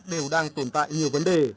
đều đang tồn tại nhiều vấn đề